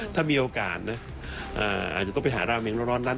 ถ้ามีโอกาสนะอาจจะต้องไปหาราเมงร้อนนั้น